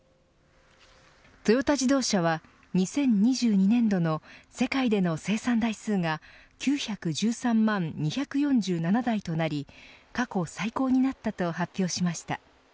トヨタ自動車は２０２２年度の世界での生産台数が９１３万２４７台となり過去最高になったと発表しました。